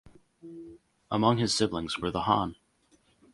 Among his siblings were the Hon.